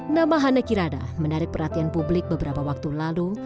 nama hana kirana menarik perhatian publik beberapa waktu lalu